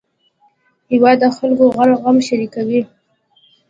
هېواد د خلکو غم شریکوي